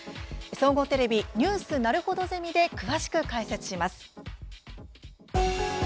総合テレビ「ニュースなるほどゼミ」で解説します。